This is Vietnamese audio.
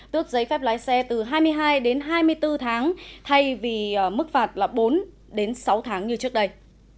tước giấy phép lái xe từ hai mươi hai đến hai mươi bốn tháng thay vì mức phạt là bốn đến sáu tháng như trước đây